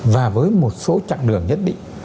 và với một số chặng đường nhất định